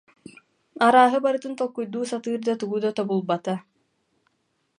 Арааһы барытын толкуйдуу сатыыр да, тугу да тобулбата